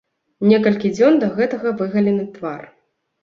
Некалькі дзён да гэтага выгалены твар.